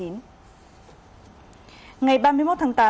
ngày ba mươi một tháng tám